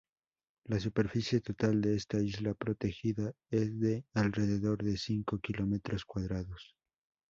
La superficie total de esta isla protegida es de alrededor de cinco kilómetros cuadrados.